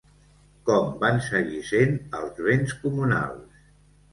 Com van seguir sent els béns comunals?